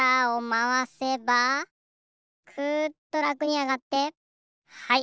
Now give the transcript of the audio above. くっとらくにあがってはい。